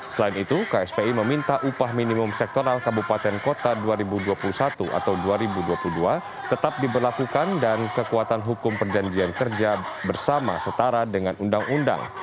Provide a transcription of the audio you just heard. selain itu kspi meminta upah minimum sektoral kabupaten kota dua ribu dua puluh satu atau dua ribu dua puluh dua tetap diberlakukan dan kekuatan hukum perjanjian kerja bersama setara dengan undang undang